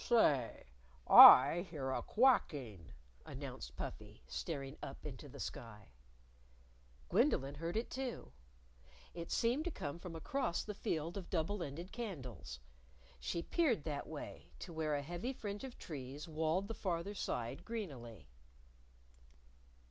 "Say! I hear a quacking!" announced Puffy, staring up into the sky. Gwendolyn heard it, too. It seemed to come from across the Field of Double Ended Candles. She peered that way, to where a heavy fringe of trees walled the farther side greenily.